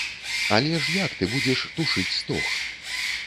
Але ж як ты будзеш тушыць стог?